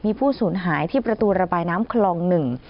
มีผู้สูญหายที่ประตูระบายน้ำคลองหนึ่ง